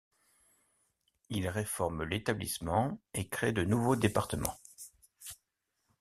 Il réforme l'établissement et crée de nouveaux départements.